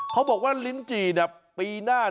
เขาบอกว่าลิ้นจี่ปีหน้า